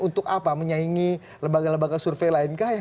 untuk apa menyaingi lembaga lembaga survei lain kah